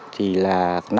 thì là năm mươi